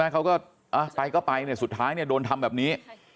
เขาก็ไปก็ไปสุดท้ายโดนทำแบบนี้